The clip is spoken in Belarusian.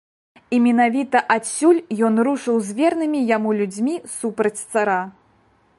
І менавіта адсюль ён рушыў з вернымі яму людзьмі супраць цара.